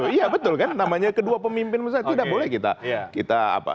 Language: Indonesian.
iya betul kan namanya kedua pemimpin besar tidak boleh kita